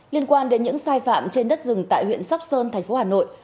liên quan đến những sai phạm trên đất rừng tại huyện sóc sơn tp hà nội